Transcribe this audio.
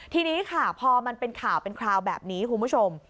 ทีนี้ค่ะพอมันเป็นข่าวเป็นคราวแบบนี้คุณผู้ชม